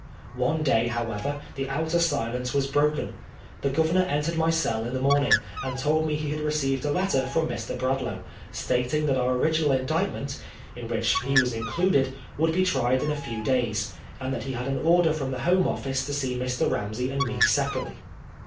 One day, however, the outer silence was broken. The Governor entered my cell in the morning, and told me he had received a letter from Mr. Brad laugh, stating that our original Indictment (in which he was included) would be tried in a few days, and that he had an order from the Home Ofi&ce to see Mr. Ramsey and me separately.